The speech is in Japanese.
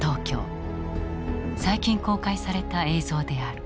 最近公開された映像である。